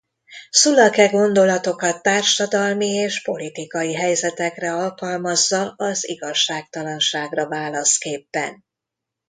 Szulak e gondolatokat társadalmi és politikai helyzetekre alkalmazza az igazságtalanságra válaszképpen.